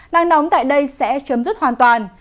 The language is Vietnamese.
nắng nóng tại đây sẽ chấm dứt hoàn toàn